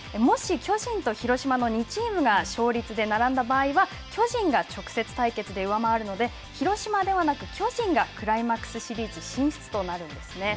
もし巨人と広島の２チームが勝率で並んだ場合は巨人が直接対決で上回るので、広島ではなく、巨人がクライマックスシリーズ進出となるんですね。